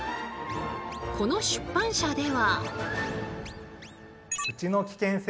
この出版社では。